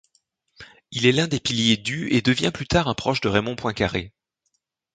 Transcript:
Il est l'un pilier du et devient plus tard un proche de Raymond Poincaré.